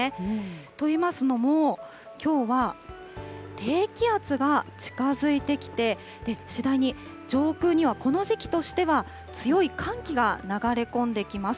といいますのも、きょうは低気圧が近づいてきて、次第に上空にはこの時期としては強い寒気が流れ込んできます。